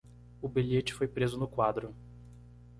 O bilhete foi preso no quadro